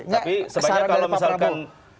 tapi sebenarnya kalau misalkan